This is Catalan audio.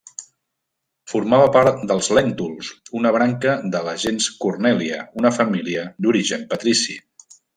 Formava part dels Lèntuls, una branca de la gens Cornèlia, una família d'origen patrici.